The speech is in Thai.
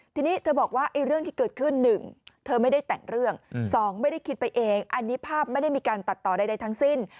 ทีนี้เธอบอกว่าเรื่องที่เกิดขึ้น๑เธอไม่ได้แต่งเรื่อง๒ไม่ได้คิดไปเองอันนี้ภาพไม่ได้มีการตัดต่อใดทั้งสิ้น